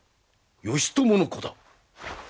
義朝の子だ。